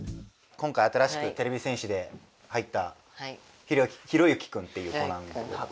今回新しくてれび戦士で入った宏行くんっていう子なんだけど。